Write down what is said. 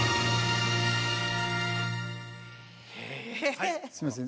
えすみません